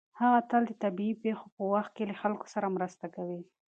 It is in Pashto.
هغه تل د طبیعي پېښو په وخت کې له خلکو سره مرسته کوي.